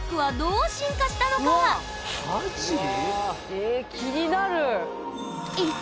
え気になる！